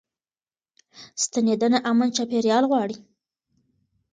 ستنېدنه امن چاپيريال غواړي.